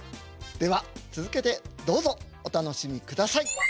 では続けてどうぞお楽しみください。